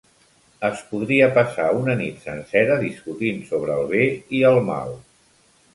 Es podria passar una nit sencera discutint sobre el bé i el mal.